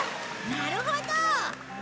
なるほど。